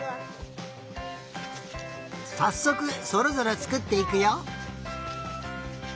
さっそくそれぞれつくっていくよ。